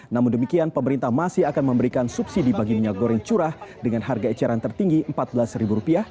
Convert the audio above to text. namun demikian pemerintah masih akan memberikan subsidi bagi minyak goreng curah dengan harga eceran tertinggi rp empat belas